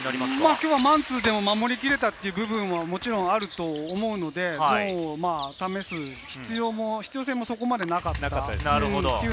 今日はマンツーでも守り切れたという部分もあると思うので、試す必要性もそこまでなかったという。